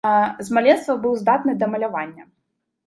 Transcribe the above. З маленства быў здатны да малявання.